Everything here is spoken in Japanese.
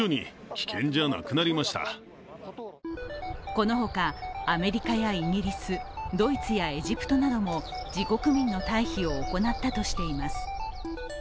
この他、アメリカやイギリスドイツやエジプトなども自国民の退避を行ったとしています。